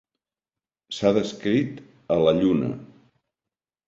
S'ha descrit a la Lluna.